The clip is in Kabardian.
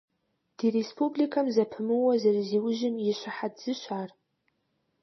Ди республикэм зэпымыууэ зэрызиужьым и щыхьэт зыщ ар.